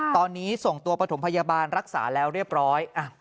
ตอนนี้ส่งตัวปฐมพยาบาลรักษาแล้วเรียบร้อย